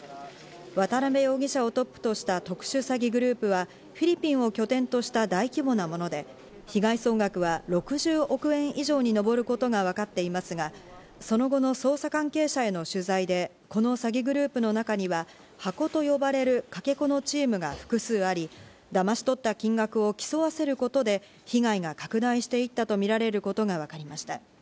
渡辺容疑者をトップとした特殊詐欺グループはフィリピンを拠点とした大規模なもので、被害総額は６０億円以上に上ることがわかっていますが、その後の捜査関係者への取材で、この詐欺グループの中には箱と呼ばれるかけ子のチームが複数あり、だまし取った金額を競わせることで、被害が拡大していったとみられることがわかりました。